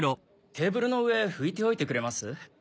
テーブルの上拭いておいてくれます？